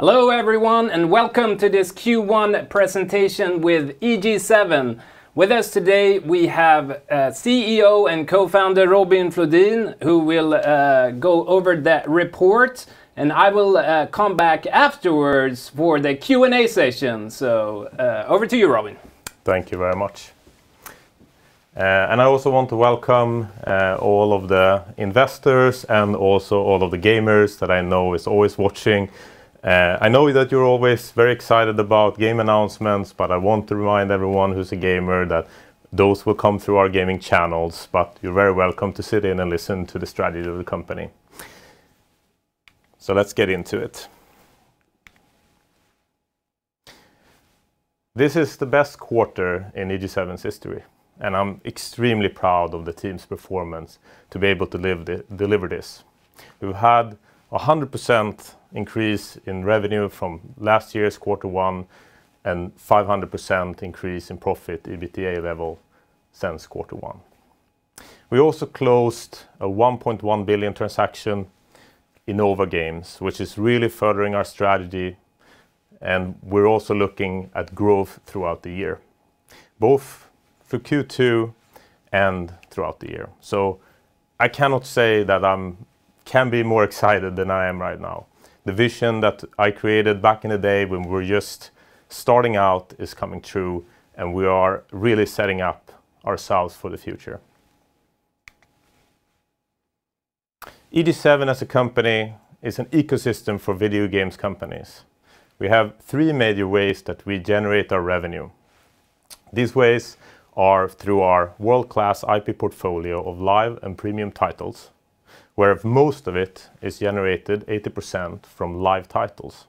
Hello everyone, welcome to this Q1 presentation with EG7. With us today we have CEO and Co-founder Robin Flodin, who will go over the report, and I will come back afterwards for the Q&A session. Over to you, Robin. Thank you very much. I also want to welcome all of the investors and also all of the gamers that I know is always watching. I know that you're always very excited about game announcements, but I want to remind everyone who's a gamer that those will come through our gaming channels, but you're very welcome to sit in and listen to the strategy of the company. Let's get into it. This is the best quarter in EG7's history, and I'm extremely proud of the team's performance to be able to deliver this. We've had 100% increase in revenue from last year's Q1 and 500% increase in profit EBITDA level since Q1. We also closed a 1.1 billion transaction in Innova, which is really furthering our strategy, and we're also looking at growth throughout the year, both for Q2 and throughout the year. I cannot say that I can be more excited than I am right now. The vision that I created back in the day when we were just starting out is coming true, and we are really setting up ourselves for the future. EG7 as a company is an ecosystem for video games companies. We have three major ways that we generate our revenue. These ways are through our world-class IP portfolio of live and premium titles, where most of it is generated 80% from live titles.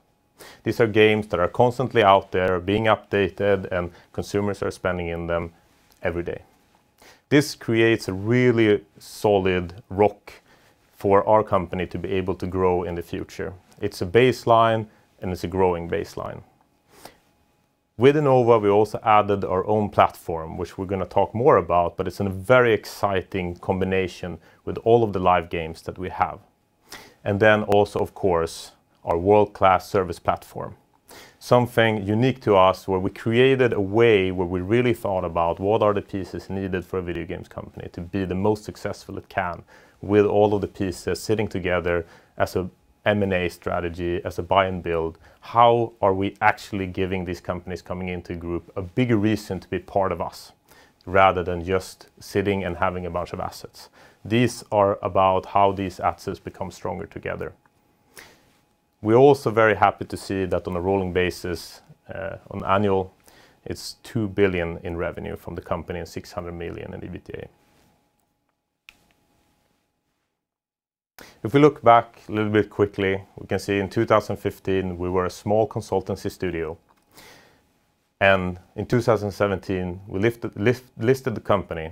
These are games that are constantly out there being updated and consumers are spending in them every day. This creates a really solid rock for our company to be able to grow in the future. It's a baseline and it's a growing baseline. Within Innova, we also added our own platform, which we're going to talk more about, but it's a very exciting combination with all of the live games that we have. Then also, of course, our world-class service platform. Something unique to us where we created a way where we really thought about what are the pieces needed for a video games company to be the most successful it can with all of the pieces sitting together as an M&A strategy, as a buy and build. How are we actually giving these companies coming into group a bigger reason to be part of us rather than just sitting and having a bunch of assets? These are about how these assets become stronger together. We're also very happy to see that on a rolling basis, on annual, it's 2 billion in revenue from the company and 600 million in EBITDA. If we look back a little bit quickly, we can see in 2015 we were a small consultancy studio, and in 2017 we listed the company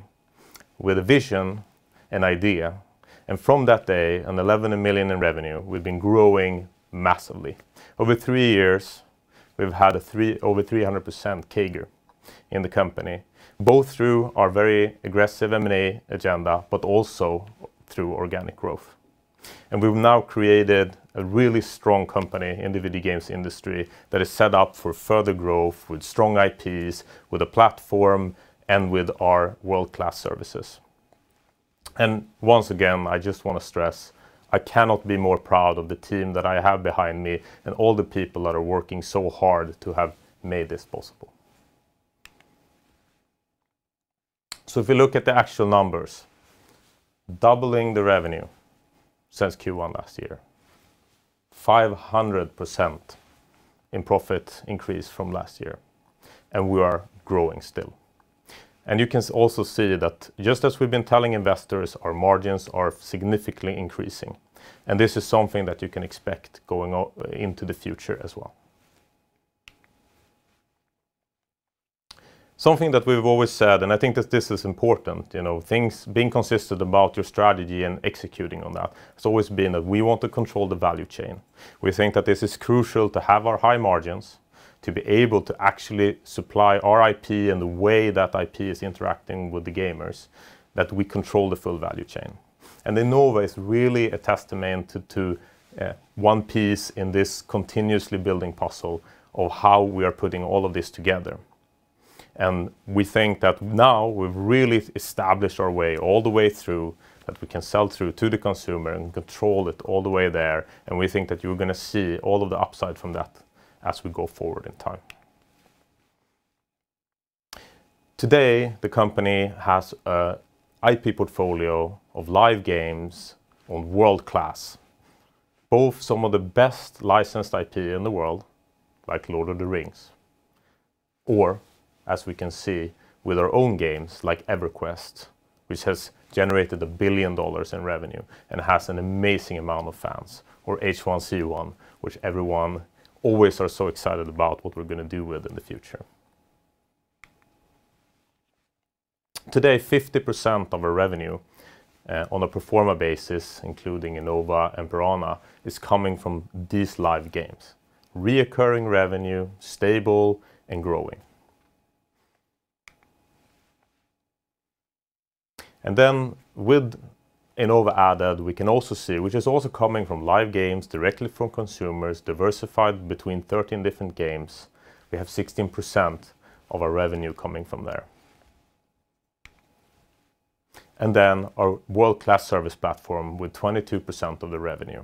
with a vision and idea. From that day, on 11 million in revenue, we've been growing massively. Over three years, we've had over 300% CAGR in the company, both through our very aggressive M&A agenda, but also through organic growth. We've now created a really strong company in the video games industry that is set up for further growth with strong IPs, with a platform, and with our world-class services. Once again, I just want to stress, I cannot be more proud of the team that I have behind me and all the people that are working so hard to have made this possible. If you look at the actual numbers, doubling the revenue since Q1 last year, 500% in profit increase from last year, and we are growing still. You can also see that just as we've been telling investors, our margins are significantly increasing, and this is something that you can expect going into the future as well. Something that we've always said, and I think that this is important, being consistent about your strategy and executing on that, it's always been that we want to control the value chain. We think that this is crucial to have our high margins, to be able to actually supply our IP and the way that IP is interacting with the gamers, that we control the full value chain. Innova it's really a testament to one piece in this continuously building puzzle of how we are putting all of this together. We think that now we've really established our way all the way through that we can sell through to the consumer and control it all the way there, and we think that you're going to see all of the upside from that as we go forward in time. Today, the company has an IP portfolio of live games of world-class, both some of the best licensed IP in the world, like The Lord of the Rings, or as we can see with our own games like EverQuest, which has generated $1 billion in revenue and has an amazing amount of fans, or H1Z1, which everyone always are so excited about what we're going to do with in the future. Today, 50% of our revenue on a pro forma basis, including Innova and Piranha, is coming from these live games. Recurring revenue, stable and growing. With Innova added, we can also see, which is also coming from live games directly from consumers diversified between 13 different games, we have 16% of our revenue coming from there. Our world-class service platform with 22% of the revenue.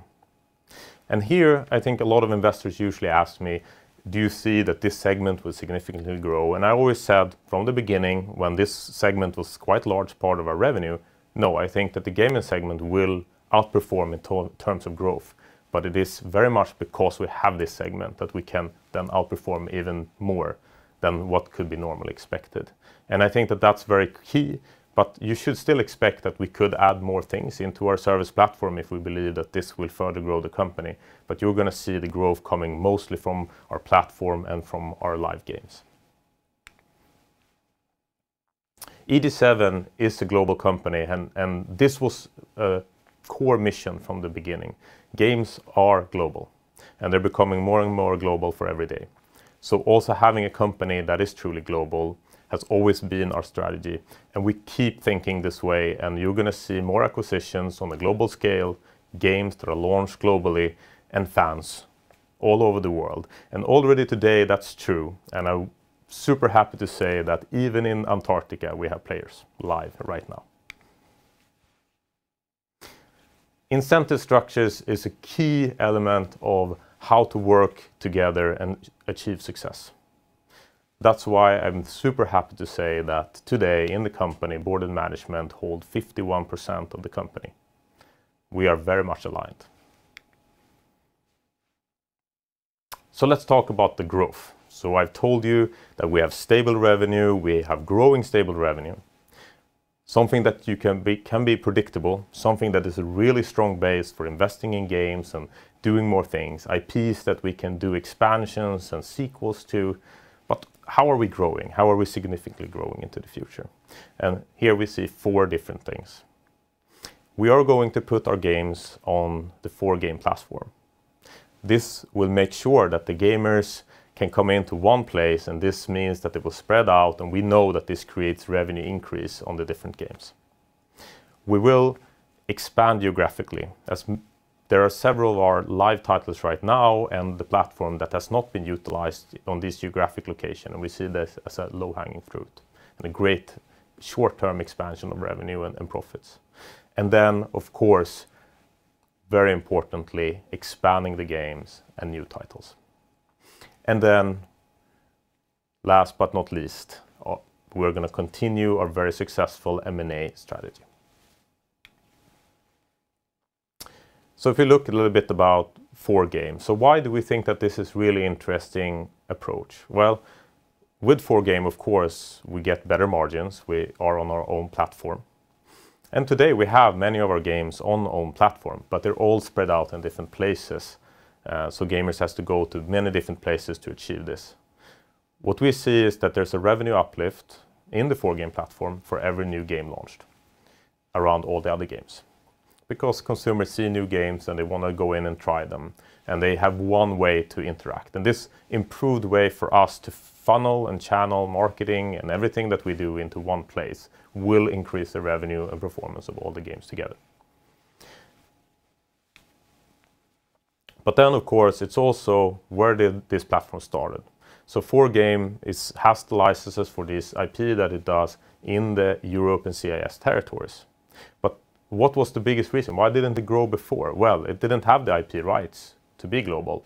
Here, I think a lot of investors usually ask me, "Do you see that this segment will significantly grow?" I always said from the beginning when this segment was quite large part of our revenue, no, I think that the gaming segment will outperform in terms of growth. It is very much because we have this segment that we can then outperform even more than what could be normally expected. I think that that's very key. You should still expect that we could add more things into our service platform if we believe that this will further grow the company. You're going to see the growth coming mostly from our platform and from our live games. EG7 is a global company, and this was a core mission from the beginning. Games are global, and they're becoming more and more global for every day. Also having a company that is truly global has always been our strategy, and we keep thinking this way and you're going to see more acquisitions on a global scale, games that are launched globally, and fans all over the world. Already today, that's true, and I'm super happy to say that even in Antarctica, we have players live right now. Incentive structures is a key element of how to work together and achieve success. That's why I'm super happy to say that today in the company, board, and management hold 51% of the company. We are very much aligned. Let's talk about the growth. I've told you that we have stable revenue, we have growing stable revenue, something that can be predictable, something that is a really strong base for investing in games and doing more things, IPs that we can do expansions and sequels to. How are we growing? How are we significantly growing into the future? Here we see four different things. We are going to put our games on the 4Game platform. This will make sure that the gamers can come into one place, and this means that it will spread out, and we know that this creates revenue increase on the different games. We will expand geographically, as there are several of our live titles right now and the platform that has not been utilized on this geographic location, and we see this as a low-hanging fruit and a great short-term expansion of revenue and profits. Then, of course, very importantly, expanding the games and new titles. Then last but not least, we're going to continue our very successful M&A strategy. If you look a little bit about 4Game, why do we think that this is really interesting approach? With 4Game, of course, we get better margins. We are on our own platform. Today we have many of our games on own platform, but they're all spread out in different places. Gamers has to go to many different places to achieve this. What we see is that there's a revenue uplift in the 4Game platform for every new game launched around all the other games. Consumers see new games and they want to go in and try them, and they have one way to interact. This improved way for us to funnel and channel marketing and everything that we do into one place will increase the revenue and performance of all the games together. Of course, it's also where did this platform started? 4Game has the licenses for this IP that it does in the Europe and CIS territories. What was the biggest reason? Why didn't it grow before? It didn't have the IP rights to be global.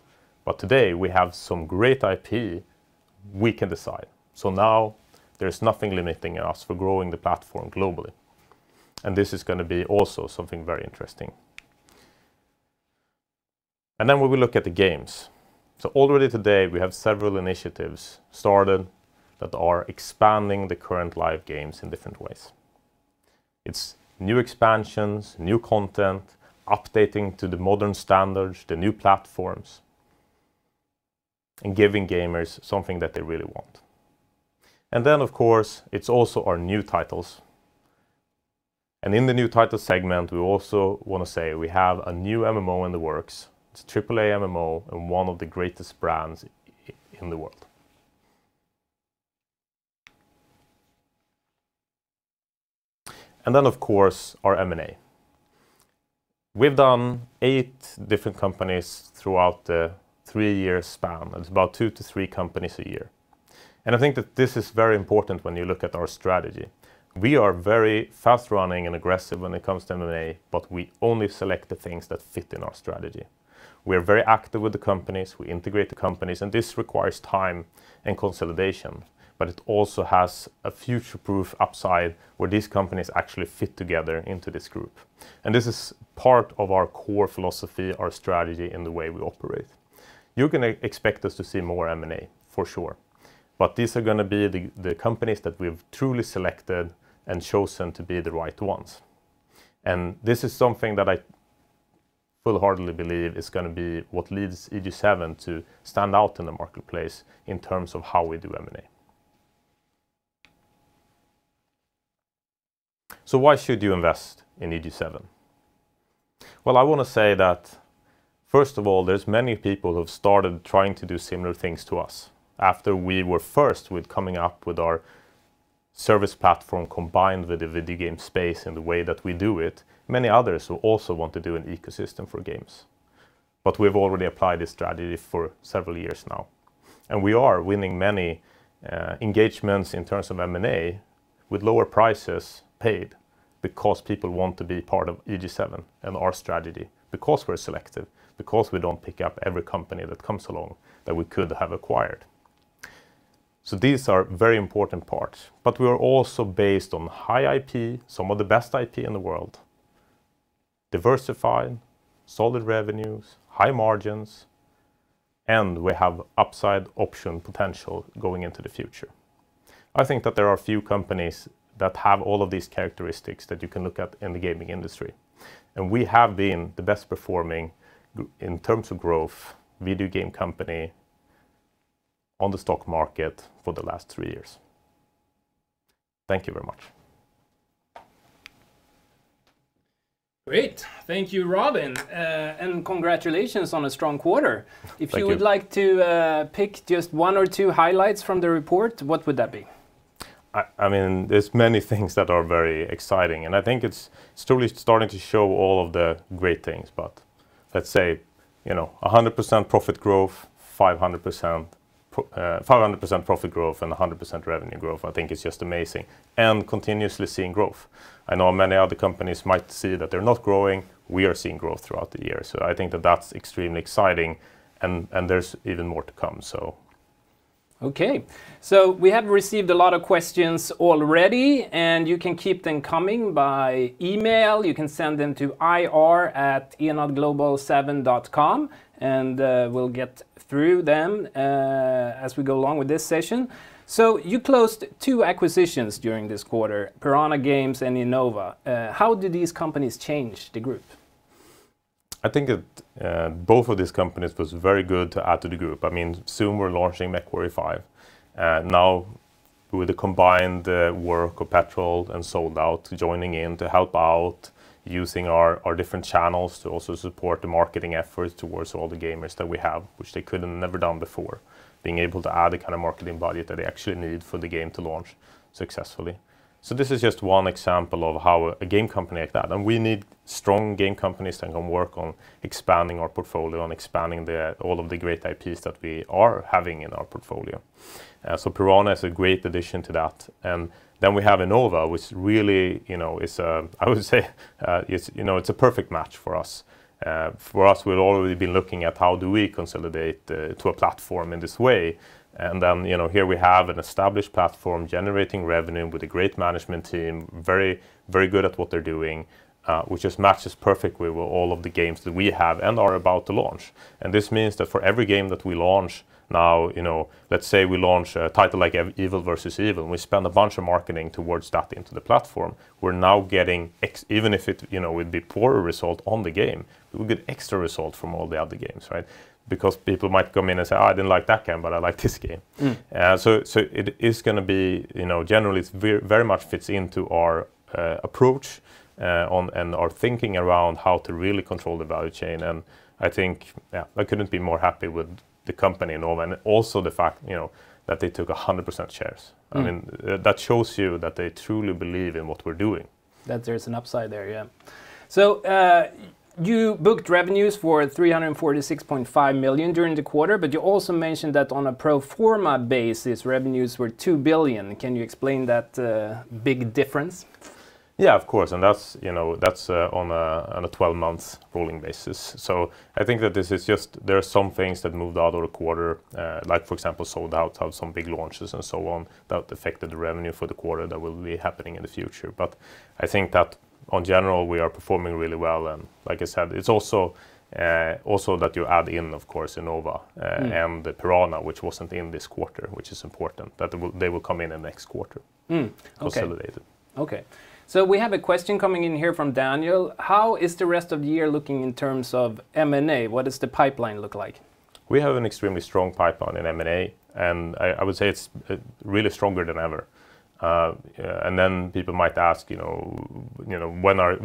Today we have some great IP we can decide. Now there's nothing limiting us for growing the platform globally. This is going to be also something very interesting. We will look at the games. Already today, we have several initiatives started that are expanding the current live games in different ways. It's new expansions, new content, updating to the modern standards, the new platforms, and giving gamers something that they really want. Of course, it's also our new titles. In the new title segment, we also want to say we have a new MMO in the works. It's AAA MMO and one of the greatest brands in the world. Of course, our M&A. We've done eight different companies throughout the three-year span. It's about two to three companies a year. I think that this is very important when you look at our strategy. We are very fast-running and aggressive when it comes to M&A, but we only select the things that fit in our strategy. We are very active with the companies, we integrate the companies, and this requires time and consolidation, but it also has a future-proof upside where these companies actually fit together into this group. This is part of our core philosophy, our strategy, and the way we operate. You can expect us to see more M&A for sure, but these are going to be the companies that we've truly selected and chosen to be the right ones. This is something that I full-heartedly believe is going to be what leads EG7 to stand out in the marketplace in terms of how we do M&A. Why should you invest in EG7? I want to say that first of all, there's many people who have started trying to do similar things to us after we were first with coming up with our service platform combined with the video game space in the way that we do it. Many others who also want to do an ecosystem for games. We've already applied this strategy for several years now, and we are winning many engagements in terms of M&A with lower prices paid because people want to be part of EG7 and our strategy. We're selective, because we don't pick up every company that comes along that we could have acquired. These are very important parts, but we are also based on high IP, some of the best IP in the world, diversified, solid revenues, high margins, and we have upside option potential going into the future. I think that there are few companies that have all of these characteristics that you can look at in the gaming industry, and we have been the best performing in terms of growth video game company on the stock market for the last three years. Thank you very much. Great. Thank you, Robin, and congratulations on a strong quarter. Thank you. If you would like to pick just one or two highlights from the report, what would that be? There's many things that are very exciting, and I think it's slowly starting to show all of the great things, but let's say 100% profit growth, 500% profit growth, and 100% revenue growth, I think is just amazing, and continuously seeing growth. I know many other companies might see that they're not growing. We are seeing growth throughout the year, so I think that that's extremely exciting, and there's even more to come. Okay. We have received a lot of questions already, and you can keep them coming by email. You can send them to ir@enadglobal7.com, and we'll get through them as we go along with this session. You closed two acquisitions during this quarter, Piranha Games and Innova. How did these companies change the group? I think both of these companies was very good to add to the group. Soon we're launching MechWarrior 5, and now with the combined work of Petrol and Sold Out joining in to help out using our different channels to also support the marketing efforts towards all the gamers that we have, which they could've never done before. Being able to add the kind of marketing budget that they actually need for the game to launch successfully. This is just one example of how a game company like that, and we need strong game companies that can work on expanding our portfolio and expanding all of the great IPs that we are having in our portfolio. Piranha is a great addition to that. We have Innova, which really is a perfect match for us. For us, we've already been looking at how do we consolidate to a platform in this way, and then here we have an established platform generating revenue with a great management team, very good at what they're doing, which just matches perfectly with all of the games that we have and are about to launch. This means that for every game that we launch now, let's say we launch a title like EvilvEvil, and we spend a bunch of marketing towards that into the platform. Even if it would be poor result on the game, we would get extra result from all the other games, right? Because people might come in and say, "I didn't like that game, but I like this game. It generally very much fits into our approach and our thinking around how to really control the value chain, and I think I couldn't be more happy with the company and all. Also the fact that they took 100% shares. That shows you that they truly believe in what we're doing. That there's an upside there, yeah. You booked revenues for 346.5 million during the quarter, but you also mentioned that on a pro forma basis, revenues were 2 billion. Can you explain that big difference? Yeah, of course, and that's on a 12-month rolling basis. I think that this is just there are some things that moved out of the quarter, like for example Sold Out had some big launches and so on that affected the revenue for the quarter that will be happening in the future. I think that on general, we are performing really well, and like I said, it's also that you add in, of course, Innova, The Piranha, which wasn't in this quarter, which is important that they will come in the next quarter. Okay. consolidated. Okay. We have a question coming in here from Daniel. "How is the rest of the year looking in terms of M&A? What does the pipeline look like? We have an extremely strong pipeline in M&A, and I would say it's really stronger than ever. People might ask,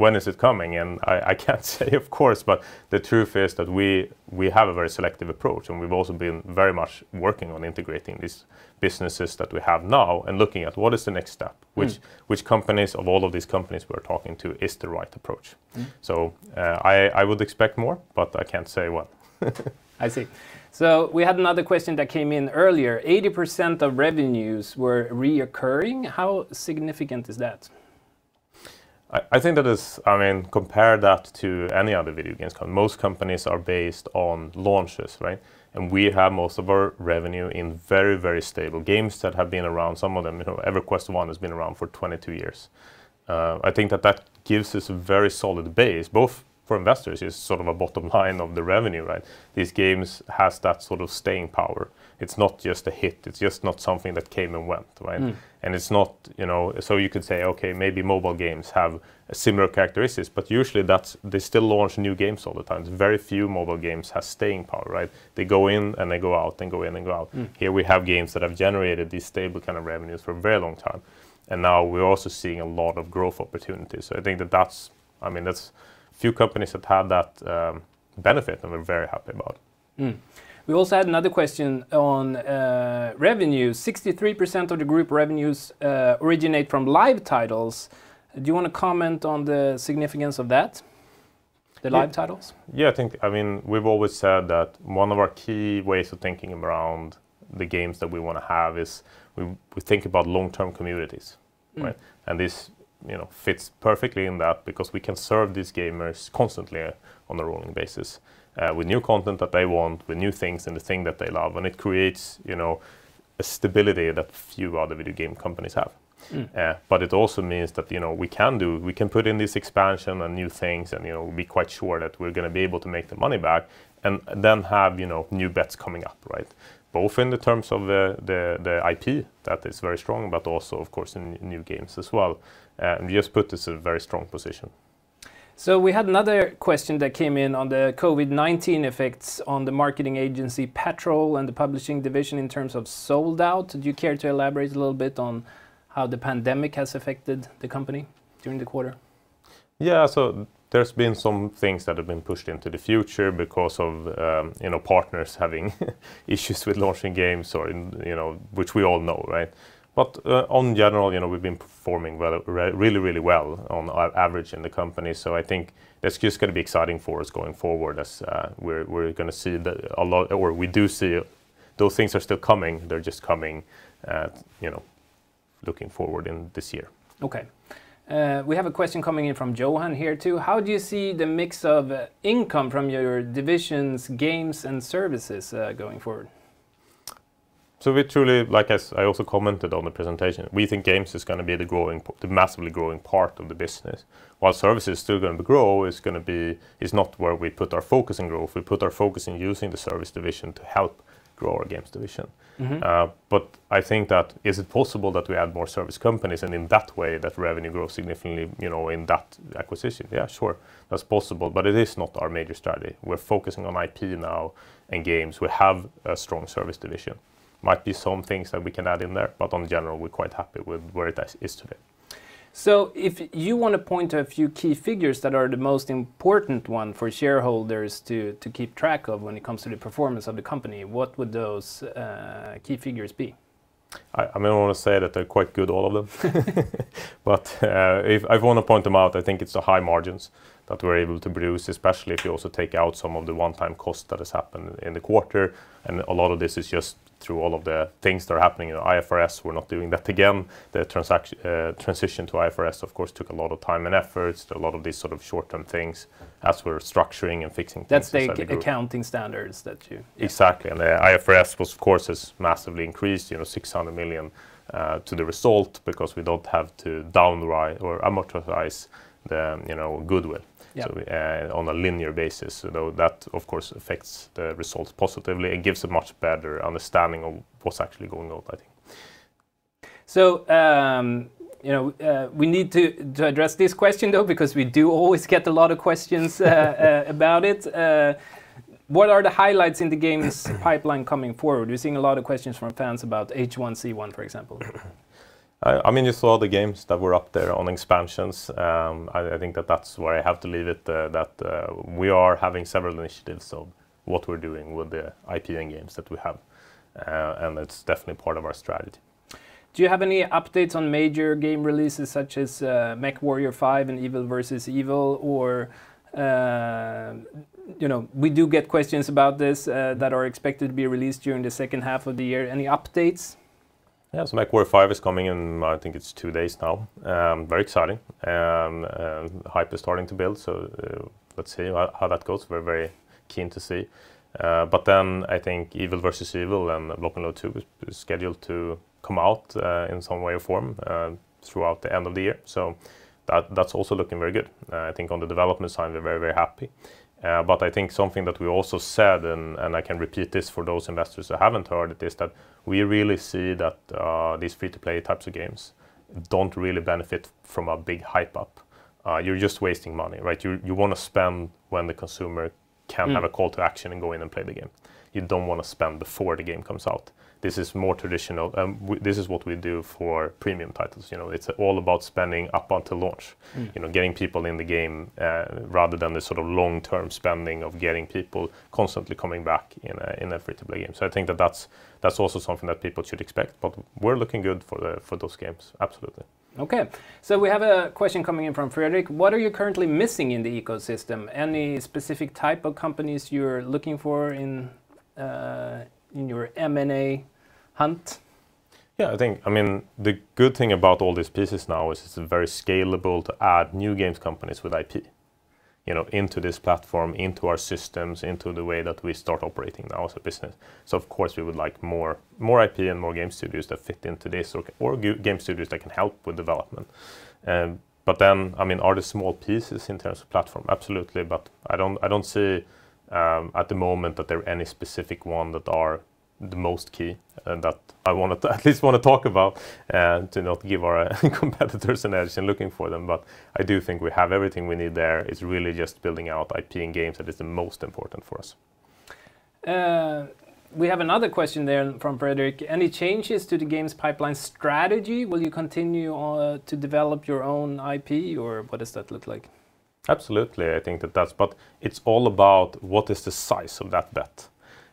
"When is it coming?" I can't say, of course, but the truth is that we have a very selective approach, and we've also been very much working on integrating these businesses that we have now and looking at what is the next step. Which companies of all of these companies we're talking to is the right approach? I would expect more, but I can't say when. I see. We had another question that came in earlier. 80% of revenues were reoccurring. How significant is that? Compare that to any other video games company. Most companies are based on launches, right? We have most of our revenue in very, very stable games that have been around, some of them, EverQuest one has been around for 22 years. I think that that gives us a very solid base, both for investors, it's sort of a bottom line of the revenue, right? These games has that sort of staying power. It's not just a hit, it's just not something that came and went, right? You could say, okay, maybe mobile games have similar characteristics, but usually they still launch new games all the time. Very few mobile games have staying power, right? They go in and they go out and go in and go out. Here we have games that have generated these stable kind of revenues for a very long time. Now we're also seeing a lot of growth opportunities. I think that that's few companies that have that benefit that we're very happy about. We also had another question on revenue. 63% of the group revenues originate from live titles. Do you want to comment on the significance of that? The live titles? Yeah. We've always said that one of our key ways of thinking around the games that we want to have is we think about long-term communities. Right? This fits perfectly in that because we can serve these gamers constantly on a rolling basis with new content that they want, with new things and the thing that they love, and it creates a stability that few other video game companies have. It also means that we can put in this expansion and new things and be quite sure that we're going to be able to make the money back and then have new bets coming up. Both in the terms of the IP that is very strong, but also of course in new games as well. We just put this in a very strong position. We had another question that came in on the COVID-19 effects on the marketing agency, Petrol, and the publishing division in terms of Sold Out. Do you care to elaborate a little bit on how the pandemic has affected the company during the quarter? Yeah. There's been some things that have been pushed into the future because of partners having issues with launching games or. which we all know, right? In general, we've been performing really, really well on our average in the company. I think it's just going to be exciting for us going forward as we're going to see a lot, or we do see those things are still coming. They're just coming looking forward in this year. Okay. We have a question coming in from Johan here, too. How do you see the mix of income from your divisions, games, and services going forward? We truly, like I also commented on the presentation, we think games is going to be the massively growing part of the business. While service is still going to grow, it's not where we put our focus and growth. We put our focus in using the service division to help grow our games division. I think that is it possible that we add more service companies and in that way, that revenue grows significantly in that acquisition? Yeah, sure. That's possible, but it is not our major strategy. We're focusing on IP now and games. We have a strong service division. Might be some things that we can add in there, but on general, we're quite happy with where that is today. If you want to point to a few key figures that are the most important one for shareholders to keep track of when it comes to the performance of the company, what would those key figures be? I want to say that they're quite good, all of them. If I want to point them out, I think it's the high margins that we're able to produce, especially if you also take out some of the one-time cost that has happened in the quarter. A lot of this is just through all of the things that are happening in IFRS. We're not doing that again. The transition to IFRS of course took a lot of time and effort. A lot of these sort of short-term things as we're structuring and fixing things as a group. That's the accounting standards. Exactly, IFRS of course has massively increased, 600 million to the result because we don't have to down or amortize the goodwill. Yeah On a linear basis. That of course affects the results positively and gives a much better understanding of what's actually going on, I think. We need to address this question though, because we do always get a lot of questions about it. What are the highlights in the games pipeline coming forward? We are seeing a lot of questions from fans about H1Z1, for example. I mean, you saw the games that were up there on expansions. I think that that's where I have to leave it, that we are having several initiatives of what we're doing with the IP and games that we have, and it's definitely part of our strategy. Do you have any updates on major game releases such as MechWarrior 5 and EvilvEvil or We do get questions about this that are expected to be released during the second half of the year? Any updates? Yeah, MechWarrior 5 is coming in, I think it's two days now. Very exciting. The hype is starting to build, so let's see how that goes. We're very keen to see. I think EvilvEvil and Block N Load 2 is scheduled to come out in some way or form throughout the end of the year. That's also looking very good. I think on the development side, we're very, very happy. I think something that we also said, and I can repeat this for those investors who haven't heard it, is that we really see that these free-to-play types of games don't really benefit from a big hype up. You're just wasting money, right? You want to spend when the consumer can have- a call to action and go in and play the game. You don't want to spend before the game comes out. This is more traditional, this is what we do for premium titles. It's all about spending up until launch. getting people in the game rather than the sort of long-term spending of getting people constantly coming back in a free-to-play game. I think that that's also something that people should expect, but we're looking good for those games. Absolutely. Okay. We have a question coming in from Fredrik. What are you currently missing in the ecosystem? Any specific type of companies you're looking for in your M&A hunt? Yeah, I think the good thing about all these pieces now is it's very scalable to add new games companies with IP into this platform, into our systems, into the way that we start operating now as a business. Of course, we would like more IP and more game studios that fit into this or game studios that can help with development. Are they small pieces in terms of platform? Absolutely. I don't see at the moment that there are any specific one that are the most key that I at least want to talk about to not give our competitors an edge in looking for them. I do think we have everything we need there. It's really just building out IP and games that is the most important for us. We have another question there from Fredrik. Any changes to the games pipeline strategy? Will you continue on to develop your own IP, or what does that look like? Absolutely. It's all about what is the size of that bet.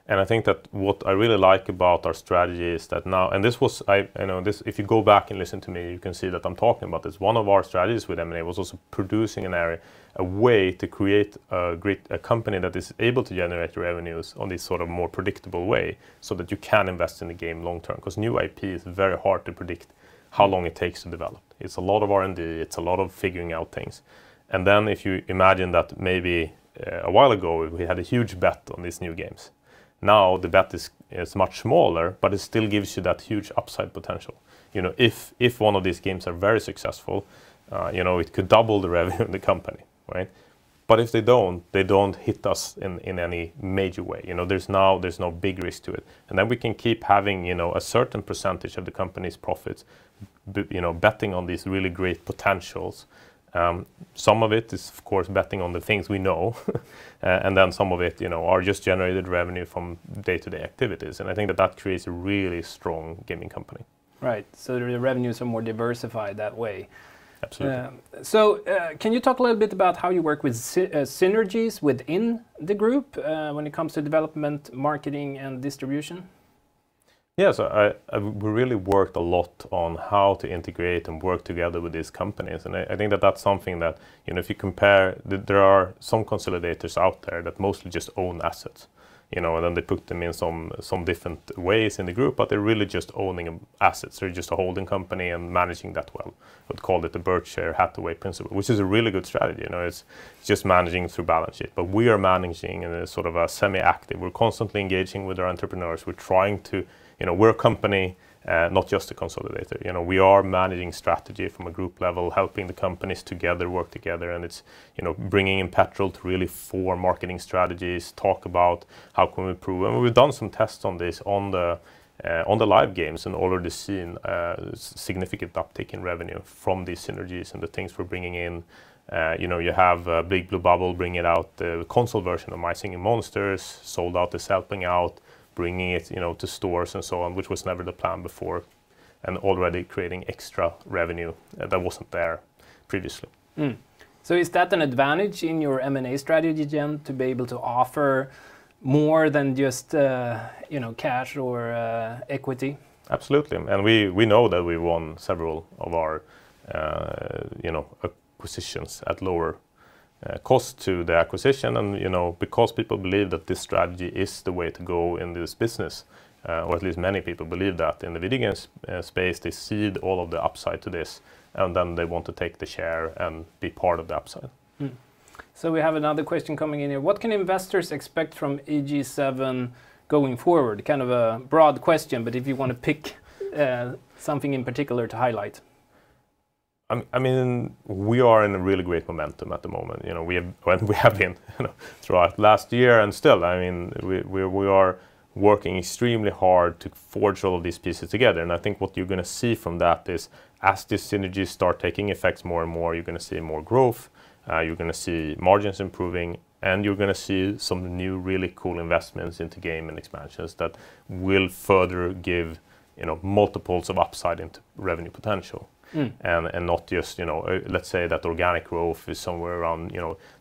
I think that what I really like about our strategy is that now, and this was If you go back and listen to me, you can see that I'm talking about this. One of our strategies with M&A was also producing an area, a way to create a great company that is able to generate revenues on these sort of more predictable way, so that you can invest in the game long-term. New IP is very hard to predict how long it takes to develop. It's a lot of R&D. It's a lot of figuring out things. If you imagine that maybe a while ago we had a huge bet on these new games. Now the bet is much smaller, but it still gives you that huge upside potential. If one of these games are very successful, it could double the revenue of the company, right? If they don't, they don't hit us in any major way. There's no big risk to it. Then we can keep having a certain percentage of the company's profits betting on these really great potentials. Some of it is, of course, betting on the things we know and then some of it are just generated revenue from day-to-day activities. I think that that creates a really strong gaming company. Right. The revenues are more diversified that way. Absolutely. Yeah. Can you talk a little bit about how you work with synergies within the group when it comes to development, marketing, and distribution? Yeah. We really worked a lot on how to integrate and work together with these companies, and I think that that's something that if you compare There are some consolidators out there that mostly just own assets, and then they put them in some different ways in the group, but they're really just owning assets. They're just a holding company and managing that well. I would call it the Berkshire Hathaway principle, which is a really good strategy, and it's just managing through balance sheet. We are managing in a sort of a semi-active. We're constantly engaging with our entrepreneurs. We're a company not just a consolidator. We are managing strategy from a group level, helping the companies together work together, and it's bringing in Petrol to really form marketing strategies, talk about how can we improve. We've done some tests on this on the live games and already seen significant uptick in revenue from these synergies and the things we're bringing in. You have Big Blue Bubble bringing out the console version of "My Singing Monsters," Sold Out is helping out bringing it to stores and so on, which was never the plan before, and already creating extra revenue that wasn't there previously. Is that an advantage in your M&A strategy, then, to be able to offer more than just cash or equity? Absolutely. We know that we won several of our acquisitions at lower cost to the acquisition. Because people believe that this strategy is the way to go in this business, or at least many people believe that in the video game space, they see all of the upside to this, and then they want to take the share and be part of the upside. We have another question coming in here. What can investors expect from EG7 going forward? Kind of a broad question, but if you want to pick something in particular to highlight. We are in a really great momentum at the moment. We have been throughout last year and still. We are working extremely hard to forge all these pieces together, and I think what you're going to see from that is as these synergies start taking effects more and more, you're going to see more growth, you're going to see margins improving, and you're going to see some new really cool investments into game and expansions that will further give multiples of upside into revenue potential. Not just, let's say that organic growth is somewhere around,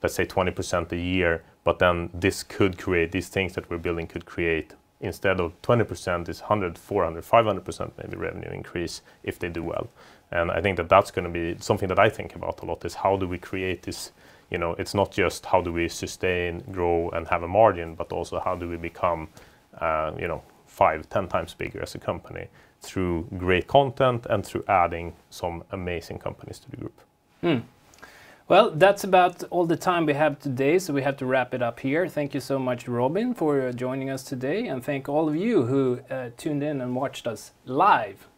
let's say 20% a year, but then this could create, these things that we're building could create instead of 20%, is 100%, 400%, 500% maybe revenue increase if they do well. I think that that's going to be something that I think about a lot, is how do we create this? It's not just how do we sustain growth and have a margin, but also how do we become five, 10 times bigger as a company through great content and through adding some amazing companies to the group. That's about all the time we have today, so we have to wrap it up here. Thank you so much, Robin, for joining us today, and thank all of you who tuned in and watched us live.